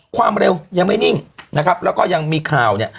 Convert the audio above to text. ความเร็วยังไม่นิ่งนะครับแล้วก็ยังมีข่าวเนี่ย